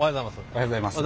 おはようございます。